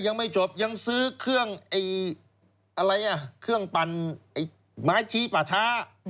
ยังไม่จบยังซื้อเครื่องปั่นไม้ชี้ป่าช้า